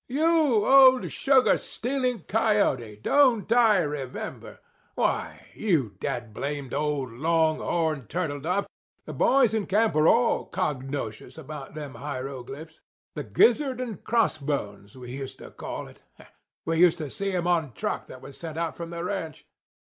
"You old sugar stealing coyote! Don't I remember! Why, you dad blamed old long horned turtle dove, the boys in camp was all cognoscious about them hiroglyphs. The 'gizzard and crossbones' we used to call it. We used to see 'em on truck that was sent out from the ranch.